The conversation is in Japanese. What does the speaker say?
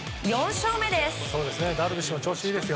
４勝目です。